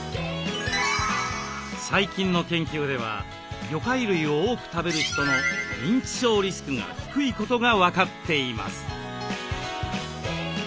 最近の研究では魚介類を多く食べる人の認知症リスクが低いことが分かっています。